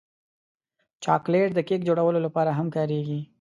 چاکلېټ د کیک جوړولو لپاره هم کارېږي.